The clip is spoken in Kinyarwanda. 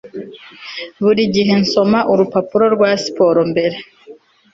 Buri gihe nsoma urupapuro rwa siporo mbere